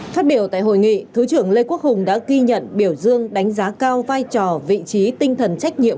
phát biểu tại hội nghị thứ trưởng lê quốc hùng đã ghi nhận biểu dương đánh giá cao vai trò vị trí tinh thần trách nhiệm